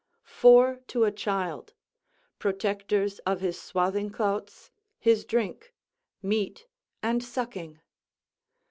Four to a child protectors of his swathing clouts, his drink, meat, and sucking.